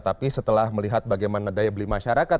tapi setelah melihat bagaimana daya beli masyarakat